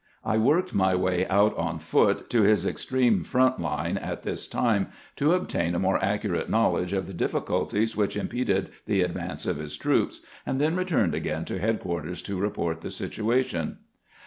T worked my way out on foot to his extreme front line at this time, to obtain a more accurate knowledge of the difficulties which impeded the advance of his troops, and then returned again to headquarters to report the situation.